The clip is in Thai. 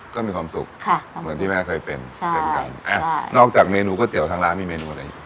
ก็มีความสุขค่ะเหมือนที่แม่เคยเป็นใช่เป็นกันอ่านอกจากเมนูก๋วยเตี๋ยวทางร้านมีเมนูอะไรอีก